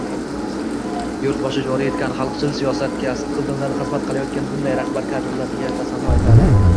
Yurtboshi joriy etgan xalqchil siyosatga sidqidildan xizmat qilayotgan bunday rahbar kadrlarga tasanno aytadi...